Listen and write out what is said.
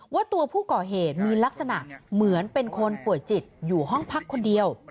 ว่าตัวผู้ก่อเหตุมีลักษณะเหมือนเป็นคนป่วยจิตอยู่ห้องพักคนเดียว